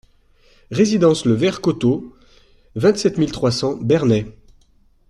Résidence le Vert Coteau, vingt-sept mille trois cents Bernay